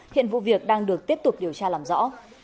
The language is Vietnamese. hiện vụ việc đang được tiếp tục điều tra làm rõ